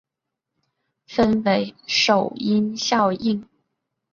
分为首因效应。